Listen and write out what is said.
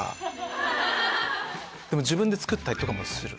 自分で作ったりとかもする？